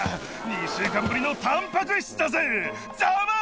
２週間ぶりのタンパク質だぜ！